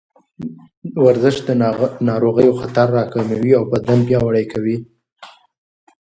ورزش د ناروغیو خطر راکموي او بدن پیاوړی کوي.